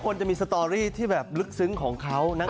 น้องกระดาษอีกท่านหนึ่งก็คือด้านนั้น